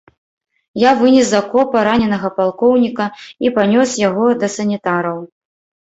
Я вынес з акопа раненага палкоўніка і панёс яго да санітараў.